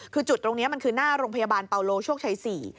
คือจุดตรงนี้มันคือหน้าโรงพยาบาลเปาโลโชคชัย๔